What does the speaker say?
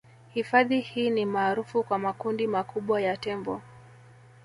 Hifadhi hii ni maarufu kwa makundi makubwa ya tembo